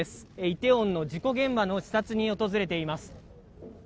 イテウォンの事故現場の視察に訪れています。